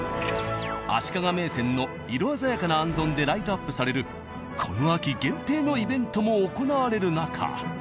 足利銘仙の色鮮やかな行灯でライトアップされるこの秋限定のイベントも行われる中。